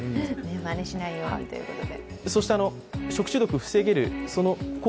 まねしないようにということで。